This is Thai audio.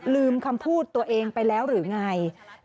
ลืมคำพูดตัวเองไปแล้วหรือไง